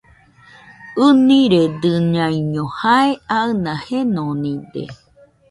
ɨniredɨñaiño jae aɨna jenonide.